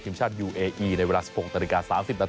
ก็จะมีความสนุกของพวกเรา